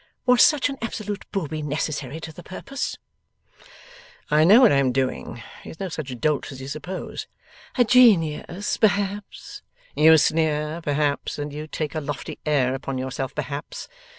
'Was such an absolute Booby necessary to the purpose?' 'I know what I am doing. He is no such dolt as you suppose.' 'A genius, perhaps?' 'You sneer, perhaps; and you take a lofty air upon yourself perhaps!